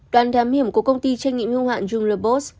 đoàn đám hiểm của công ty tranh nghiệm hưu hoạn junglerbos